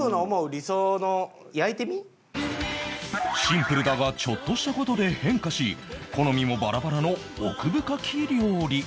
シンプルだがちょっとした事で変化し好みもバラバラの奥深き料理